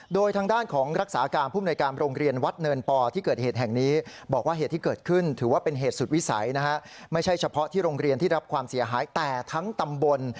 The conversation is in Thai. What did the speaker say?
โดยทางด้านของรักษาการภูมิหนัยการ